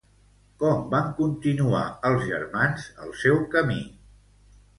Com van continuar els germans el seu camí?